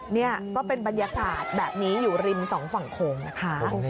นี่ก็เป็นบรรยากาศแบบนี้อยู่ริมสองฝั่งโขงนะคะ